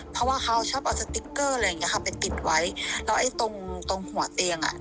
เพราะว่าเขาชอบเอานี้ค่ะไปติดไว้แล้วไอ้ตรงตรงหัวเตียงอะ